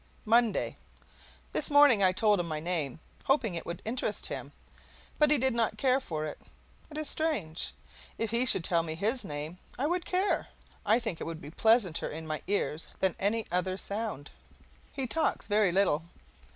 MONDAY. This morning I told him my name, hoping it would interest him. But he did not care for it. It is strange. If he should tell me his name, I would care. I think it would be pleasanter in my ears than any other sound. He talks very little.